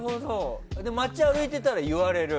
街歩いてたら言われる？